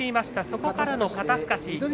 そこからの肩すかし。